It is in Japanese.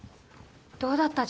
どうだった？